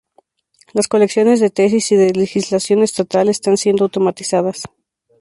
Las colecciones de tesis y de legislación estatal están siendo automatizadas.